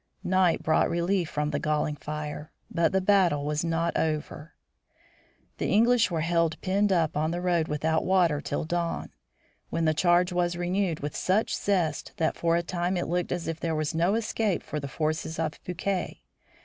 Night brought relief from the galling fire. But the battle was not over. The English were held penned up on the road without water till dawn, when the charge was renewed with such zest that for a time it looked as if there were no escape for the forces of Bouquet.